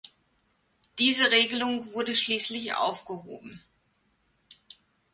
Diese Regelung wurde schließlich aufgehoben.